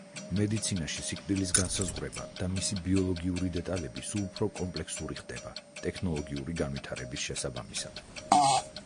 მედიცინაში სიკვდილის განსაზღვრება და მისი ბიოლოგიური დეტალები სულ უფრო კომპლექსური ხდება ტექნოლოგიური განვითარების შესაბამისად.